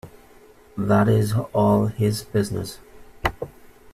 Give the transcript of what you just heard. That is all his business.